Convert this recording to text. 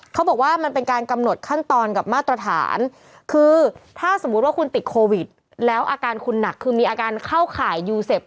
เขาบอกว่ามันเป็นการกำหนดขั้นตอนกับมาตรฐานคือถ้าสมมุติว่าคุณติดโควิดแล้วอาการคุณหนักคือมีอาการเข้าข่ายยูเซฟ